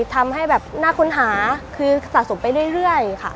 ทำให้แบบน่าค้นหาคือสะสมไปเรื่อยค่ะ